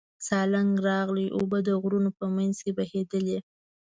سالنګ راغلې اوبه د غرونو په منځ کې بهېدلې.